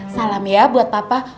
salam ya buat papa